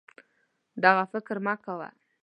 دغه فکر مه کوه